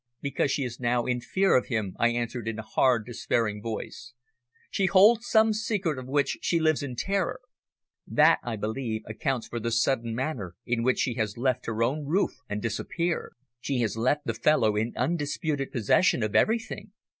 "Because she is now in fear of him," I answered in a hard, despairing voice. "She holds some secret of which she lives in terror. That, I believe, accounts for the sudden manner in which she has left her own roof and disappeared. She has left the fellow in undisputed possession of everything."